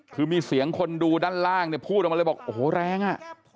คือมีเสียงคนดูด้านล่างเนี่ยพูดออกมาเลยบอกโอ้โหแรงอ่ะ